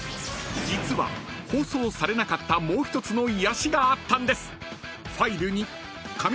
実は放送されなかったもう１つの癒やしがあったんです］